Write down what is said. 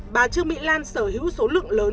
bà trương mỹ lan sở hữu số lượng lớn